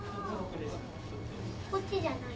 あこっちじゃない。